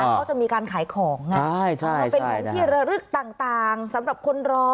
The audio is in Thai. เขาจะมีการขายของมันเป็นของที่ระลึกต่างสำหรับคนรอ